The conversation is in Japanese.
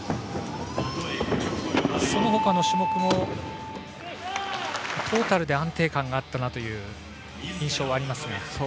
そのほかの種目もトータルで安定感があったなという印象ですが。